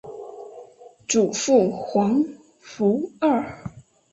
祖父黄福二。